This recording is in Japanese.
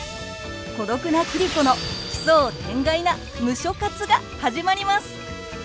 孤独な桐子の奇想天外な「ムショ活」が始まります！